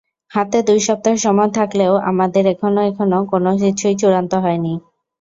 হাতে দুই সপ্তাহ সময় থাকলেও আমাদের এখানে এখনো কোনো কিছুই চূড়ান্ত হয়নি।